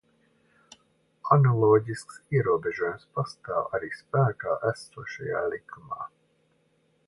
Analoģisks ierobežojums pastāv arī spēkā esošajā likumā.